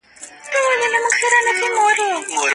انسان له ژونده کړیږي خو له مرګه نه.